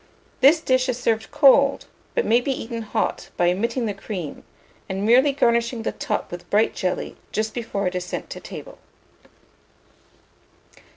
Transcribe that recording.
This dish is served cold, but may be eaten hot, by omitting the cream, and merely garnishing the top with bright jelly just before it is sent to table.